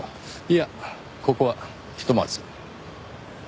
いやここはひとまず。